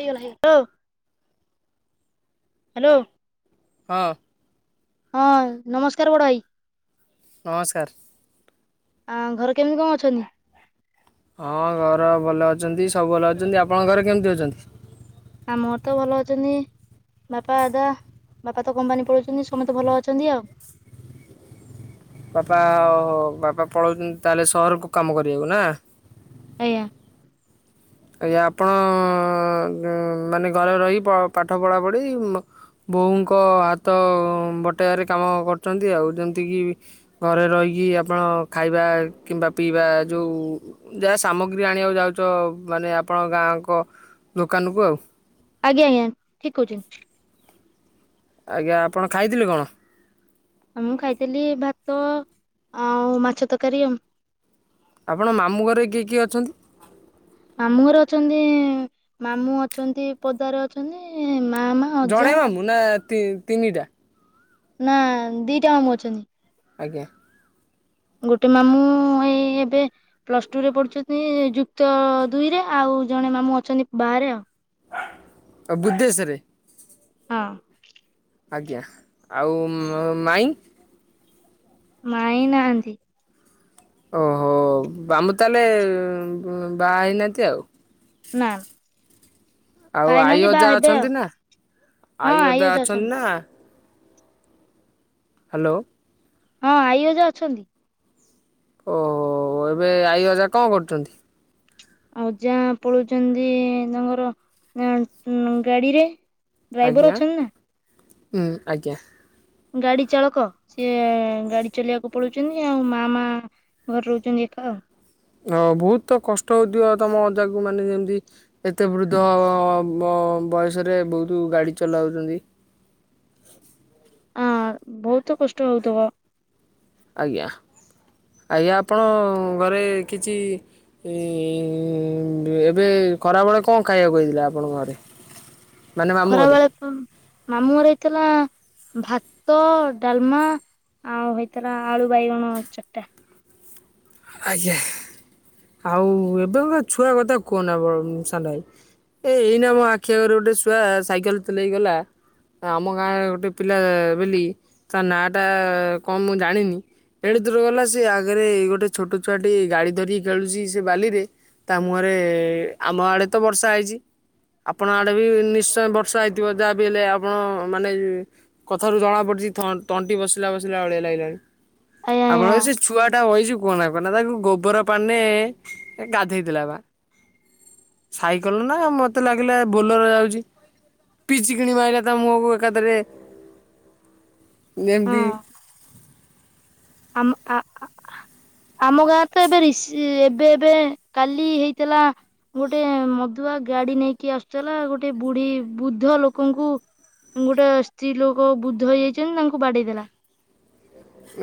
Hague ହେଇଗ hello ହଁ ହଁ ନମସ୍କାର ବଡ଼ ଭାଇ ନମସ୍କାର ଆ ଘର କେମିତି କଣ ଅଛନ୍ତି ହଁ ଘର ଭଲ ଅଛନ୍ତି ସବୁ ଭଲ ଅଛନ୍ତି ଆପଣଙ୍କ ଘରେ କେମିତି ଅଛନ୍ତି ଆମ ଘର ତ ଭଲ ଅଛନ୍ତି ବାପା ଦଦା ବାପା ତ କମ୍ପାନୀ ପଳଉଛନ୍ତି ସମସ୍ତେ ଭଲ ଅଛନ୍ତି ଆଉ ବାପା ବାପା ପଳାଉଛନ୍ତି ତାହେଲେ ସହରକୁ କାମ କରିବାକୁ ନା ଆଜ୍ଞା ଆଜ୍ଞା ଆପଣ ମାନେ ଘରେ ରହି ପାଠ ପଢ଼ାପଢ଼ି ବୋହୂଙ୍କ ହାତ ବଟେଇବାରେ କାମ କରୁଛନ୍ତି ଆଉ ଯେମିତିକି ଘରେ ରହିକି ଆପଣ ଖାଇବା କିମ୍ବା ପିଇବା ଯୋଉ ଯାହା ସାମଗ୍ରୀ ଆଣ ଆଣିବାକୁ ଯାଉଛ ମାନେ ଆପଣଙ୍କ ଗାଁଙ୍କ ଦୋକାନକୁ ଆଉ ଆଜ୍ଞା ଆଜ୍ଞା ଠିକ୍ କହୁଛି ଆଜ୍ଞା ଆପଣ ଖାଇଥିଲେ କଣ ଆ ମୁଁ ଖାଇଥିଲି ଭାତ ଆଉ ମାଛ ତରକାରୀ ଆଉ ଆପଣ ମାମୁଁ ଘରରେ କିଏ କିଏ ଅଛନ୍ତି ମାମୁଁ ଘର ଅଛନ୍ତି ମାମୁଁ ଅଛନ୍ତି ପଦାରେ ଅଛନ୍ତି ମା ମା ଅଜା ଜଡେ ମାମୁ ନା ତିନିଟା ନା ଦିଟା କାମ ଅଛନ୍ତି ଆଜ୍ଞା ଗୋଟେ ମାମୁଁ ଏଇ ଏବେ ପ୍ଲସ ଟୁ ରେ ପଢୁଛନ୍ତି ଯୁକ୍ତ ଦୁଇରେ ଆଉ ଜଣେ ମାମୁଁ ଅଛନ୍ତି ବାହାରେ ଆଉ ଆଉ ବୁଦ୍ଧେଶରେ ହଁ ଆଜ୍ଞା ଆଉ ମାଇଁ ମାଇ ନାହାନ୍ତି ଓହୋ ବାମୁ ତାହେଲେ ଉଁ ବାହା ହେଇନାହାନ୍ତି ଆଉ ନା ବାହା ଆଉ ଆଈ ହେଇନାହାନ୍ତି ବାହା ଅଜା ହେବେ ଆଉ ଅଛନ୍ତି ନା ଆଈ ଅଜା ଅଛନ୍ତି ନା ହ୍ୟାଲୋ ହଁ ଆଇଅଜା ଅଛନ୍ତି ଓହୋ ଏବେ ଆଈ ଅଜା କଣ କରୁଛନ୍ତି ଆଉ ଅଜା ପଳଉଛନ୍ତି। ତାଙ୍କର ଗାଡିରେ ଡ୍ରାଇଭର ଆଜ୍ଞା ଅଛନ୍ତି ନା ଆଜ୍ଞା ଗାଡି ଚାଳକ ସିଏ ଗାଡି ଚଲେଇିବାକୁ ପଡୁଛନ୍ତି। ଆଉ ମା ମା ଘରେ ରହୁଛନ୍ତି। ଏକା ଆଉ ହଁ ବହୁତ ତ କଷ୍ଟ ହଉଥିବ। ତମ ଯାକୁ ମାନେ ଯେମିତି ଏତେ ବୃଦ୍ଧ ବୟସରେ ବହୁତ ଗାଡ଼ି ଚଲାଉଛନ୍ତି। ହଁ ବହୁତ କଷ୍ଟ ହଉଥିବ। ଆଜ୍ଞା ଆଜ୍ଞା ଆପଣ ଘରେ କିଛି ଏ ଏବେ ଖରାବେଳେ କ'ଣ ଖାଇବାକୁ କହିଥିଲା? ଆପଣଙ୍କ ଘରେ। ମାନେ ମାମୁଁ ଖରା ଘରେ? ବେଳେ ପ ମାମୁଁ ଘର ହେଇଥିଲା। ଭାତ, ଡାଲମା ଆଉ ହେଇଥଥିଲା। ଆଳୁ ବାଇଗଣ ଚଟଟା ଆଜ୍ଞା ଆଉ ଏବେଙ୍କ ଛୁଆ କଥା କୁହନା ସାଙ୍ଗ ଭାଇ। ଏ ଏଇନା ମୋ ଆଖି ଆଗରେ ଗୋଟେ ଶୁଆ ସାଇକେଲ ଚଲେଇଗଲା। ଆମ ଗାଁରେ ଗୋଟିଏ ପିଲା ବୋଲି ତା ନାଁଟା କ'ଣ ମୁଁ ଜାଣିନି? ଏଣୁ ଦୂର ଗଲା ସେ ଆଗରେ ଗୋଟେ ଛୋଟ ଛୁଆ ଟି ଗାଡି ଧରିକି ଖେଳୁଛି। ସେ ବାଲିରେ ତା ପରେ ଆମ ଆଡେ ତ ବର୍ଷା ହେଇଛି। ଆପଣ ଆଡେ ବି ନିଶ୍ଚୟ ବର୍ଷା ହେଇଥିବ। ଯାହା ବିି ହେଲେ ଆପଣ ମାନେ କଥାରୁ ଜଣାପଡ଼ିଛି। ଥ ତଣ୍ଟି ବସିଲା ବସିଲା ଭଳିଆ ଲାଗିଲାଣି। ଆଜ୍ଞା ଆଜ୍ଞା ଆପଣଙ୍କର ସେ ଛୁଆଟା ବାଇଛି। କୁହନା କୁହନା ତାକୁ ଗୋବର ପାଣିରେ ଗାଧେଇଦେଲା। ସାଇକେଲ ନା ମତେ ଲାଗିଲା ବୋଲେର ଯାଉଛି। ପିଚିକିଣି ମାରିଲା ଟା ମୁହଁକୁ ଏକାଥରେ ହଁ ଯେମିତି ଆମ ଆ ଆମ ଗାଁ ତ ଏବେ ଏବେ ଏବେ କାଲି ହେଇଥିଲା ଗୋଟେ ମଦୁଆ ଗାଡି ନେଇକି ଆସୁଥିଲା। ଗୋଟେ ବୁଢୀ ବୁଦ୍ଧ ଲୋକଙ୍କୁ ଗୋଟେ ସ୍ତ୍ରୀ ଲୋକ ବୁଦ୍ଧ ହେଇଯାଇଛନ୍ତି। ତାଙ୍କୁ ବାଡେଇ ଦେଲା।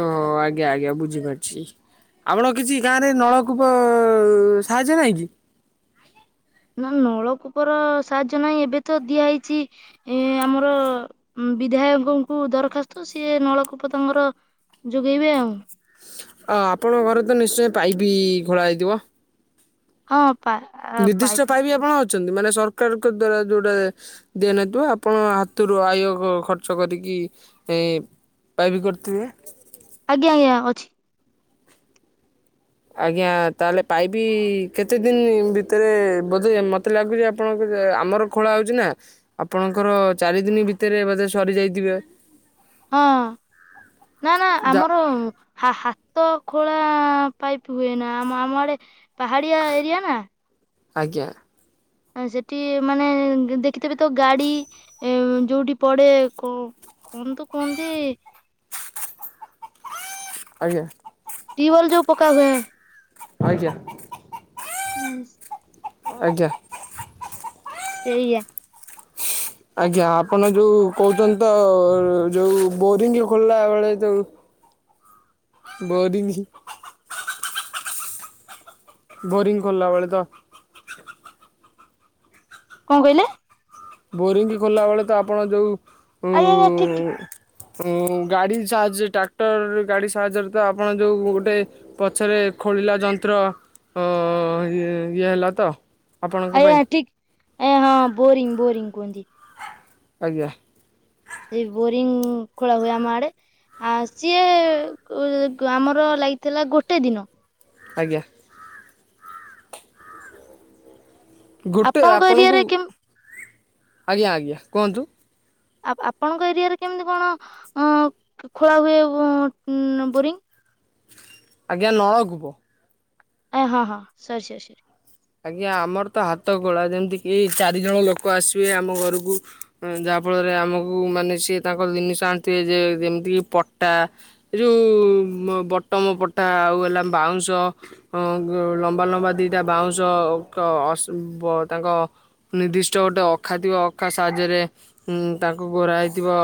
ଓ ଆଜ୍ଞା ଆଜ୍ଞା ବୁଝିପାରୁଛି। ଆପଣ କିଛି ଗାଁରେ ନଳକୂପ ସାହାଯ୍ୟ ନାହିଁ କି? ନା ନଳକୂପର ସାହାଯ୍ୟ ନାହିଁ ଏବେ ତ ଦିଆ ହେଇଛି। ଏ ଆମର ବିଧାୟକଙ୍କୁ ଦରଖାସ୍ତ ସିଏ ନଳକୂପ ତମର ଯୋଗେଇବେ ଆଉ। ଆପଣଙ୍କ ଘରେ ତ ନିଶ୍ଚୟ ପାଇପ୍ ବି ଖୋଳା ହେଇଥିବ। ହଁ ପା ପାଇପ ନିର୍ଦ୍ଦିଷ୍ଟ ପାଇପି ଆପଣ ଅଛନ୍ତି। ମାନେ ସରକାରଙ୍କ ଦ୍ଵାରା ଯୋଉଟା ଦେନଥିବ ଆପଣ ହାତରୁ ଆୟ ଖର୍ଚ୍ଚ କରିକି ଏ ପାଇପି କରିଥିବେ। ଆଜ୍ଞା ଆଜ୍ଞା ଅଛି। ଆଜ୍ଞା ତାହେଲେ ପାଇବି କେତେ ଦିନ ଭିତରେ ବୋଧ ମତେ ମତେ ଲାଗୁଛି ଆପଣଙ୍କ ଆମର ଖୋଳା ହଉଛି ନା। ଆପଣଙ୍କର ଚାରି ଦିନି ଭିତରେ ବୋଧେ ସରି ଯାଇଥିବେ। ହଁ ନା ନା ଯା ଆମର ହ ହାତ ଖୋଳା ପାଇପ୍ ହୁଏନା ଆମ ଆମ ଆଡେ ପାହାଡିଆ ଏରିଆ ନା ଆଜ୍ଞା। ସେଠି ମାନେ ଦେଖିଥିବେ ତ ଗାଡି ଯୋଉଠି ପଡେ। କୁହନ୍ତୁ କୁହନ୍ତି ଆଜ୍ଞା। ଟିୱାଲ ଯୋଉ ପକା ହୁଏ। ଆଜ୍ଞା। ସେ ଆଛା। ଏଇଆା। ଆଜ୍ଞା ଆପଣ ଯୋଉ କଉଚନ୍ତି ତ ଯୋଉ ବୋରିଙ୍ଗ ଖୋଲିଲା ବେଳେ ଯୋଉ ବରିଙ୍ଗ ବୋରିଂ ଖୋଲିଲା ବେଳେ ତ କଅଁ କଇଲେ ବୋରିଙ୍ଗ୍ ଖୋଲିଲା ବେଳେ ତ ଆପଣ ଯୋଉ ଆଜ୍ଞା ଠିକ୍ ଠି ଓ ଗାଡି ସାହାଯ୍ୟ ଟ୍ରାକ୍ଟର ଗାଡି ସାହାଯ୍ୟରେ ତ ଆପଣ ଯୋଉ ଗୋଟେ ପଛରେ ଖୋଳିଲା ଯନ୍ତ୍ର ଅ ଇଏ ହେଲା ତ ଆପଣଙ୍କ ଆଜ୍ଞା ପାଇଁ ଠିକ୍ ଆଜ୍ଞା ହଁ ବୋରିଂ ବୋରିଙ୍ଗ କୁଅନ୍ତି। ଆଜ୍ଞା। ସେ ବୋରିଂ ଖୋଳା ହୁଏ ଆମ ଆଡେ ଆ ସିଏ ଉ ଆମର ଲାଗିଥିଲା ଗୋଟେ ଦିନ। ଆଜ୍ଞା। ଗୋଟେ ଆପଣଙ୍କ ଆପଣଙ୍କୁ ଏରିଆରେ କେମ ଆଜ୍ଞା ଆଜ୍ଞା କୁଅନ୍ତୁ ଆ ଆପଣଙ୍କ ଏରିଆରେ କେମିତି କଣ ଅ ଖୋଳା ହୁଏ ବୋରିଂ ଆଜ୍ଞା ଏ ଲକ୍ ନଳକୂପ ଆଜ୍ଞା ହଁ ହଁ ସରି ସରି ଆଜ୍ଞା ଆମର ତ ହାତ ଗୋଳା ଯେମିତି କି ଚାରିଜଣ ଲୋକ ଆସିବେ ଆମ ଘରକୁ ଯାହା ଫଳରେ ଆମକୁ ମାନେ ସିଏ ତାଙ୍କର ଜିନିଷ ଆଣିଥିବେ ଯେ ଯେମିତି କି ପଟା ଏ ଯୋଉ ବଟମ୍ ପଟା ଆଉ ଏଲା ବାଉଁଶ ହଁ ଲମ୍ବା ଲମ୍ବା ଦିଟା ବାଉଁଶ କ ଅଶ୍ ଵ ତାଙ୍କ ନିର୍ଦ୍ଦିଷ୍ଟ ଗୋଟେ ଅଖା ଥିବ ଅଖା ସାହାଯ୍ୟରେ ତାଙ୍କୁ ଗୋରାଇଥିବ।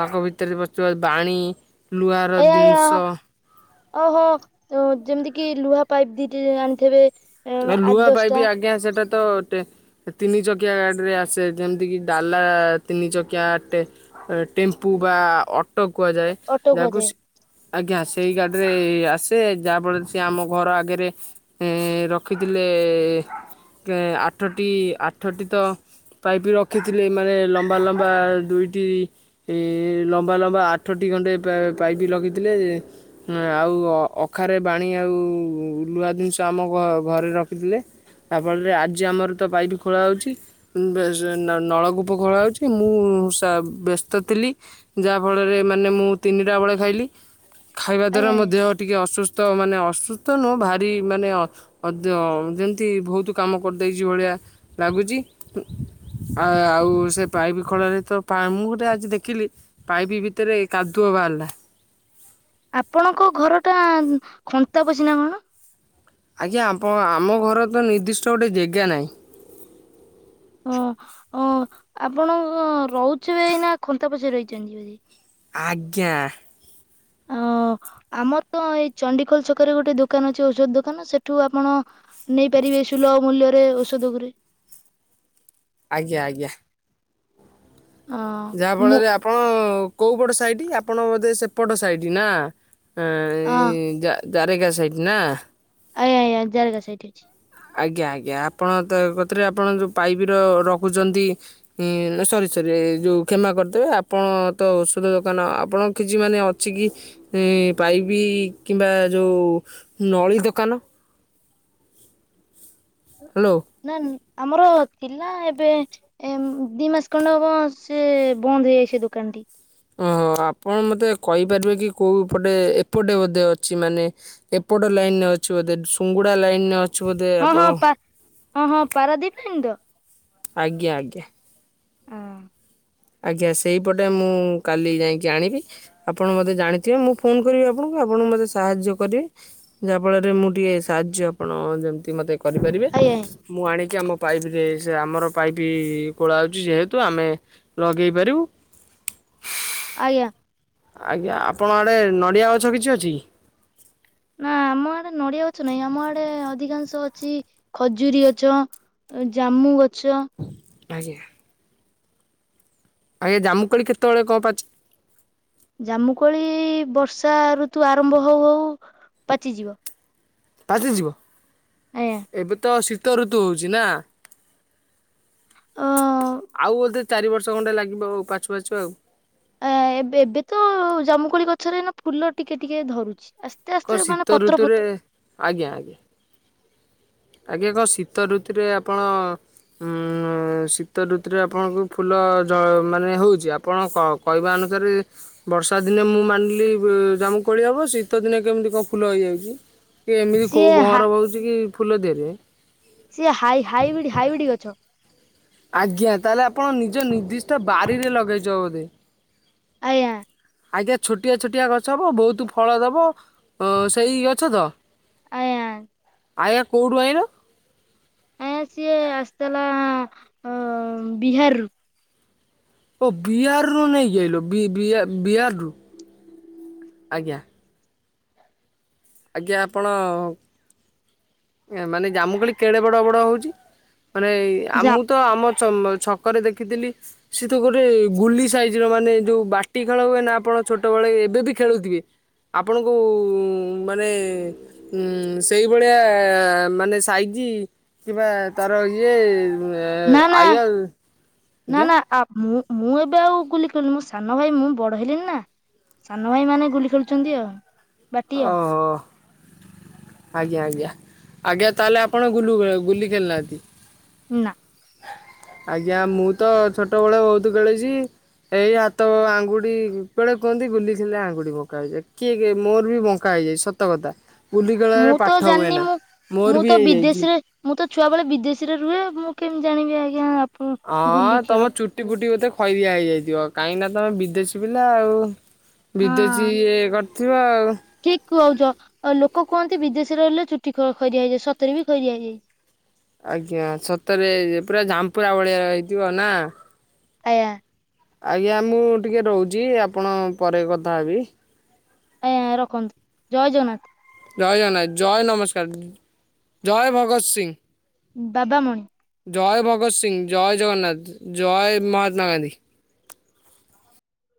ତାଙ୍କ ଭିତରେ ପସିଥିବା ବାଣୀ ଲୁହାର ଏ ଜିନିଷ ଓହୋ ଅ ଯେମିତି କି ଲୁହା ପାଇପ୍ ଦି ଟା ଆଣିଥିବେ। ଆଉ ଆଠ ଲୁହା ଦଶଟା ପାଇପି ଆଜ୍ଞା ସେଟା ତ ଟେ ତିନି ଚକିଆ ଗାଡିରେ ଆସେ ଯେମିତି କିି ଡାଲା ତିନି ଚକିଆ ଆଟେ ଟେମ୍ପୁ ବା ଅଟୋ କୁହାଯାଏ ଅଟୋ ଯାହାକୁ କୁହାଯାଏ। ଆଜ୍ଞା ସେଇ ଗାଡିରେ ଆସେ ଯାହା ଫଳରେ ସିଏ ଆମ ଘର ଆଗରେ ରକ୍ ରଖିଥିଲେ ଆଠଟି ଆଠଟି ତ ପାଇପ୍ ରଖିଥିଲେ ମାନେ ଲମ୍ବା ଲମ୍ବା ଦୁଇଟି ଏ ଲମ୍ବା ଲମ୍ବା ଆଠଟି ଖଣ୍ଡେ ପାଇପ ଲକିଥିଲେ। ଆଉ ଅଖାରେ ବାଣି ଆଉ ଲୁହା ଜିନିଷ ଆମ ଘରେ ରଖିଥିଲେ ତା ଫଳରେ ଆଜି ଆମର ତ ପାଇପ୍ ଖୋଳା ହୋଉଚି ବେସ୍ ନଳକୂପ ଖୋଳା ହଉଚି ମୁଁ ସା ବ୍ୟସ୍ତ ଥିଲି। ଯାହାଫଳରେ ମାନେ ମୁଁ ତିନିଟା ବେଳେ ଖାଇଲି। ଖାଇବା ଦ୍ଵାରା ଆଜ୍ଞା ମୋ ଆଜ୍ଞା ଦେହ ଟିକେ ଅସୁସ୍ଥ ମାନେ ଅସୁସ୍ଥ ନୁହଁ ଭାରି ମାନେ ଅଦ ଯେମିତି ବହୁତ କାମ କରିଦେଇଛି ଭଳିଆ ଲାଗୁଚି। ଆ ଆଉ ସେ ପାଇପ୍ ଖୋଳାରେ ତ ମୁଁ ଗୋଟେ ଆଜି ଦେଖିଲି ପାଇପି ଭିତରେ କାଦୁଅ ବାହାରିଲା। ଆପଣଙ୍କ ଘର ଟା ଖନ୍ତା ପଶିନା କଣ ଆଜ୍ଞା ଆପ ଆମ ଘର ତ ନିର୍ଦ୍ଦିଷ୍ଟ ଗୋଟେ ଜେଗା ନାହିଁ। ହ ଅ ଆପଣ ରହୁଥିବେ ଖନ୍ତା ପଶିରେ ରହିଚନ୍ତି। ଆଜ୍ଞା। ଅ ଆମର ତ ଏଇ ଚଣ୍ଡୀଖୋଲ ଛକରେ ଗୋଟେ ଦୋକାନ ଅଛି ଔଷଧ ଦୋକାନ ସେଠୁ ଆପଣ ନେଇପାରିବେ ସୁଲଭ ମୂଲ୍ୟରେ ଔଷଧ ଗୁରେ। ଆଜ୍ଞା ଆଜ୍ଞା। ହଁ ଯାହା ମୁଁ ଫଳରେ ଆପଣ କୋଉ ପଟ ସାଇଟ ଆପଣ ବୋଧେ ସେପଟ ସାଇଟ ନା। ଏଁ ହଁ ଏଁଇ ଜାରେକା ସାଇଟ ନା। ଆଜ୍ଞା ଆଜ୍ଞା ଜାରେକା ସେଇଠି ଅଛି। ଆଜ୍ଞା ଆଜ୍ଞା ଆପଣ ତ କଥରେ ଆପଣ ଯଉ ପାଇପ ର ରଖୁଛନ୍ତି ହଁ ସରି ସରି ଏ ଯୋଉ କ୍ଷମା କରିଦେବେ ଆପଣ ତ ଔଷଧ ଦୋକାନ ଆପଣ କିଛି ମାନେ ଅଛି କି ପାଇପି କିମ୍ବା ଯେଉଁ ନଳି ଦୋକାନ ହ୍ୟାଲୋ। ନା ଆମର ପିଲା ଏବେ ଏ ଦି ମାସ ଖଣ୍ଡେ ହବ ସେ ବନ୍ଦ ହେଇଯାଇ ସେ ଦୋକାନଟି ଓହୋ ଆପଣ ମୋତେ କହିପାରିବେ କି କୋଉ ପଟେ ଏପଟେ ବୋଧେ ଅଛି ମାନେ ଏପଟ ଲାଇନେ ଅଛି ବୋଧେ ସୁୁଙ୍ଗୁଡା ଲାଇନରେ ଅଛି ବୋଧେ ହଁ ହଁ ଆପଣ ହଁ ହଁ ପା ପାରାଦୀପ ମଧ୍ଯ ଆଜ୍ଞା ଆଜ୍ଞା। ହିଁ। ଆଜ୍ଞା ସେଇପଟେ ମୁଁ କାଲି ଯାଇକି ଆଣିବି। ଆପଣ ମତେ ଜାଣିଥିବେ ମୁଁ ଫୋନ କରିବି ଆପଣଙ୍କୁ ଆପଣ ମତେ ସାହାଯ୍ୟ କରିବେ ଯାହା ଫଳରେ ମୁଁ ଟିକେ ସାହାଯ୍ୟ ଆପଣ ଯେମିତି ମତେ କରିପାରିବେ ଆଜ୍ଞା। ମୁଁ ଆଣିକି ଆମ ପାଇପରେ ସେ ଆମର ପାଇପ୍ ଖୋଳା ହୋଉଛି ଯେହେତୁ ଆମେ ଲଗେଇ ପାରିବୁ ଆଜ୍ଞା। ଆଜ୍ଞା ଆପଣଙ୍କ ଆଡ଼େ ନଡ଼ିଆଗଛ କିଛି ଅଛି କି? ନା ଆମ ଆଡେ ନଡିଆ ଗଛ ନାହିଁ ଆମ ଆଡେ ଅଧିକାଂଶ ଅଛି ଖଜୁରୀ ଗଛ। ଜାମୁ ଗଛ। ଆଜ୍ଞା। ଆଜ୍ଞା ଜାମୁକୋଳି କେତେବେଳେ କଣ ପାଚେ? ଜାମୁକୋଳି ବର୍ଷା ଋତୁ ଆରମ୍ଭ ହୋଉ ହୋଉ ପାଚିଯିବ। ପାଚଯିବ ଆଜ୍ଞା ଏବେ ତ ଶୀତ ଋତୁ ହୋଉଚି ନା। ହଁ। ଆଉ ବୋଧେ ଚାରିବର୍ଷ ଖଣ୍ଡେ ଲାଗିବ ଆଉ ପାଚୁ ପାଚୁ ଆଉ। ଆ ଏବେ ଏବେ ତ ଜାମୁକୋଳି ଗଛରେ ଏଇନା ଫୁଲ ଟିକେ ଟିକେ ଧରୁଚି ଆ କଣ ଶୀତ ଋତୁରେ ଆଜ୍ଞା ଆଜ୍ଞା। ଆଜ୍ଞା କଣ ଶୀତ ଋତୁରେ ଆପଣ ହୁଁ ଶୀତ ଋତୁରେ ଆପଣଙ୍କୁ ଫୁଲ ଯୋ ମାନେ ହୋଉଚି ଆପଣ କଣ କହିବା ଅନୁସାରେ ବର୍ଷା ଦିନେ ମୁଁ ମାନିଲି ଜାମୁକୋଳି ହେବ ଶୀତ ଦିନେ କେମିତି କଣ ଫୁଲ ହେଇ ଇଏ ଏମିତି କୋଉ ସିଏ ହା ଭଅଁର ବଉଚି କି ଫୁଲ ଦେହରେ? ସିଏ ହାଇ ହାଇବିଡି ହାଇବିଡି ଗଛ। ଆଜ୍ଞା ତାହେଲେ ଆପଣ ନିଜ ନିର୍ଦ୍ଦିଷ୍ଟ ବାରିରେ ଲଗେଇଚ ବୋଧେ? ଆଜ୍ଞା। ଆଜ୍ଞା ଛୋଟିଆ ଛୋଟିଆ ଗଛ କଣ ବହୁତ ଫଳ ଦବ ସେଇ ଗଛ ତ? ଆଜ୍ଞା ଆଜ୍ଞା କୋଉଠୁ ଆଁଇଲ? ଆଜ୍ଞା ସିଏ ଆସିଥିଲା ବିହାରରୁ। ଓ ବିହାରରୁ ନେଇକି ଆଇଲ ବି ବି ବିହାରରୁ ଆଜ୍ଞା। ଆଜ୍ଞା ଆପଣ ଏ ମାନେ ଜାମୁକୋଳି କେଡ଼େ ବଡ଼ ବଡ଼ ହେଉଚି? ମାନେ ଯା ଆମୁକୁ ତ ଆମ ଚ ଛକରେ ଦେଖିଥିଲି ସେ ତ ଗୋଟ ଗୁଲି ସାଇଜ ର ମାନେ ଯୋଉ ବାଟି ଖେଳ ହୁଏ ନା ଆପଣ ଛୋଟବେେଳେ ଏବେ ବି ଖେଳୁଥିବେ ଆପଣଙ୍କୁ ମାନେ ଉଁ ସେଇଭଳିଆ ମାନେ ସାଇଜି କି କିବା ତାର ଇଏ ନା ନା ଆଇଆ ନା ନା ମୁଁ ମୁଁ ଏବେ ଆଉ ଗୁଲି ଖେଲୁନି ମୋ ସାନ ଭାଇ ମୁଁ ବଡ ହେଲିନି ନା। ସାନ ଭାଇ ମାନେ ଗୁଲି ଖେଳୁଛନ୍ତି ଆଉ। ବାଟି ଆଉ ଅହୋ। ଆଜ୍ଞା ଆଜ୍ଞା ଆଜ୍ଞା ତାହେଲେ ଆପଣ ଗୁଲୁ ଖେଳ ଗୁଲି ଖେଳନାହାନ୍ତି ନାଁ ଆଜ୍ଞା ମୁଁ ତ ଛୋଟ ବେଳେ ବହୁତ ଖେଳିଛି ଏଇ ହାତ ଆଙ୍ଗୁଠି ବେଳେ କୁହନ୍ତି ଗୁଲିଖେଲିଲେ ଆଙ୍ଗୁଠି ବଙ୍କା ହେଇଯାଏ କିଏ କି ମୋର ବି ବଙ୍କା ହେଇଯାଇଛି ସତ ସତକଥା ମୁଁ ଗୁଲିଖେଳରେ ତ ପାଠ ଜାଣିନି ହୁଏନା ମୁଁ ମୁଁ ମୋର ବି ତ ହେଇଯାଇଛି ବିଦେଶୀରେ ମୁଁ ତ ଛୁଆବେଳେ ବିଦେଶରେ ରୁହେ ମୁଁ କେମିତି ଜାଣିବି ଆଜ୍ଞା ଆପଣ ହଁ ଗୁଲି ଖେଳ ତମ ଚୁଟି ଫୁଟି ବୋଧେ ଖଇରିଆ ହେଇଯାଇଥିବ କାହିଁକି ନା ତମେ ବିଦେଶୀ ପିଲା ଆଉ- ବିଦେଶୀ ହଁ ଇଏ କରିଥିବ ଆଉ ଠିକ କୁହୁଛ ଆଉ ଲୋକ କୁହନ୍ତି ବିଦେଶରେ ରହିଲେ ଚୁଟି ଖ ଖଇରିଆ ହେଇଯାଏ ସତରେ ବି ଖଇରିଆ ହେଇଯାଇଛି ଆଜ୍ଞା ସତରେ ପୁରା ଝଂପୁରା ଭଳିଆର ହେଇଥିବ ନା ଆଜ୍ଞା ଆଜ୍ଞା ମୁଁ ଟିକଏ ରହୁଛି ଆପଣ ପରେ କଥା ହେବି ଆଜ୍ଞା ରଖନ୍ତୁ ଜୟ ଜଗନ୍ନାଥ ଜୟ ଜଗନ୍ନାଥ ଜୟ ନମସ୍କାର ଜୟ ଭଗତ ସିଂ ବାବାମଣି। ଜୟ ଭଗତ ସିଂ ଜୟ ଜଗନ୍ନାଥ ଜୟ ମହାତ୍ମା ଗାନ୍ଧୀ